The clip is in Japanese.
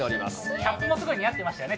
キャップもすごい似合ってましたよね。